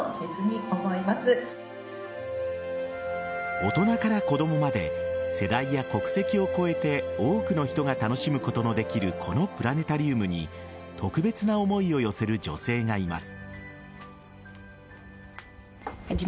大人から子供まで世代や国籍を超えて多くの人が楽しむことのできるこのプラネタリウムに特別な思いを寄せる女性がいます。